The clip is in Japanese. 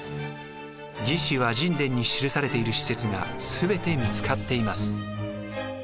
「魏志」倭人伝に記されている施設が全て見つかっています。